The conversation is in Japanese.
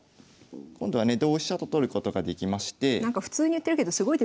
今度はね同飛車と取ることができまして。